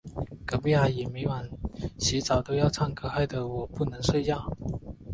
隔壁阿姨每晚洗澡都要唱歌，害得我不能睡觉。